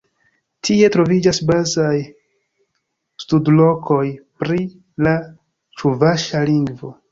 Tie troviĝas bazaj studlokoj pri la ĉuvaŝa lingvo.